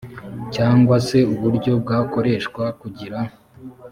cyangwa se uburyo bwakoreshwa kugira